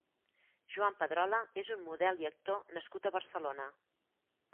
Joan Pedrola és un model i actor nascut a Barcelona.